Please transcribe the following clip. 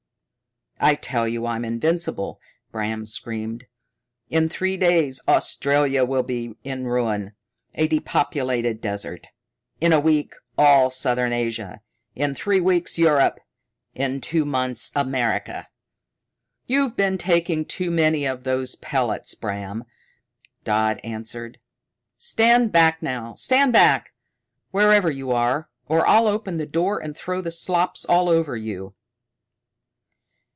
"I tell you I'm invincible," Bram screamed. "In three days Australia will be a ruin, a depopulated desert. In a week, all southern Asia, in three weeks Europe, in two months America." "You've been taking too many of those pellets, Bram," Dodd answered. "Stand back now! Stand back, wherever you are, or I'll open the door and throw the slops over you."